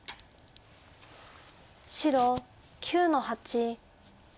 白９の八。